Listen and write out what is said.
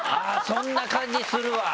そんな感じするわ！